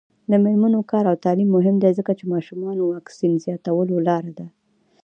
د میرمنو کار او تعلیم مهم دی ځکه چې ماشومانو واکسین زیاتولو لاره ده.